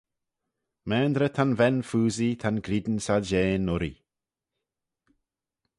Maynrey ta'n ven-phoosee ta'n ghrian solshean urree.